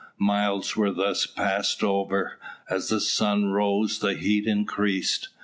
Miles were thus passed over. As the sun rose the heat increased.